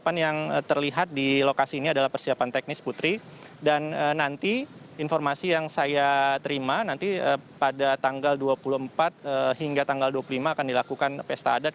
persiapan yang terlihat di lokasi ini adalah persiapan teknis putri dan nanti informasi yang saya terima nanti pada tanggal dua puluh empat hingga tanggal dua puluh lima akan dilakukan pesta adat